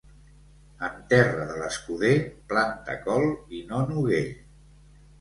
En terra de l'escuder, planta col i no noguer.